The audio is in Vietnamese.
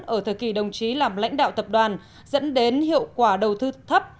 ở thời kỳ đồng chí làm lãnh đạo tập đoàn dẫn đến hiệu quả đầu tư thấp